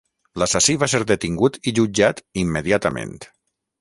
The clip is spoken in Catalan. L'assassí va ser detingut i jutjat immediatament.